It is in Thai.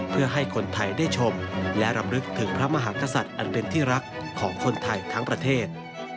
เพื่อให้คนไทยได้ชมและรำลึกถึงพระมหากษัตริย์อันเป็นที่รักของคนไทยทั้งประเทศ